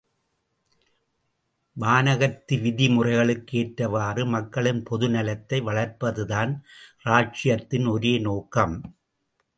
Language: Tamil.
வானகத்து விதி முறைகளுக்கு ஏற்றவாறு மக்களின் பொது நலத்தை வளர்ப்பதுதான் ராஜ்ஜியத்தின் ஒரே நோக்கம்.